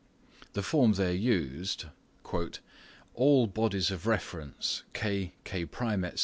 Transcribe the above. The form there used, "All bodies of reference K, K1, etc.